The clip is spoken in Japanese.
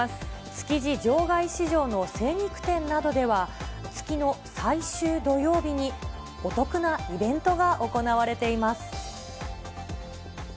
築地場外市場の精肉店などでは、月の最終土曜日にお得なイベントが行われています。